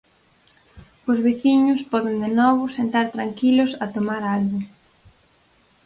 Os veciños poden de novo sentar tranquilos a tomar algo.